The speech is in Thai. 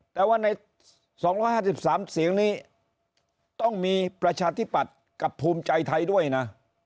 แต่ว่าใน๒๕๓เสียงนี้ต้องมีประชาธิปัตย์กับภูมิใจไทยด้วยนะ